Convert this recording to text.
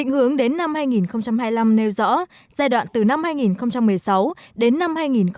hướng đến năm hai nghìn hai mươi năm nêu rõ giai đoạn từ năm hai nghìn một mươi sáu đến năm hai nghìn hai mươi